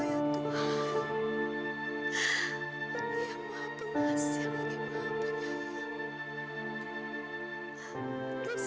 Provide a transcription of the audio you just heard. beri maaf pengasih lagi maaf pengasih